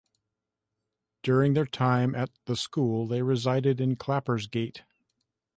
During their time at the school they resided in Clappersgate.